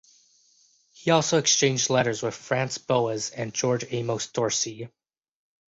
He also exchanged letters with Franz Boas and George Amos Dorsey.